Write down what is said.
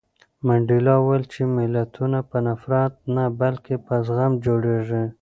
منډېلا وویل چې ملتونه په نفرت نه بلکې په زغم جوړېږي.